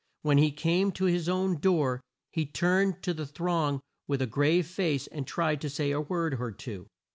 When he came to his own door he turned to the throng with a grave face and tried to say a word or two.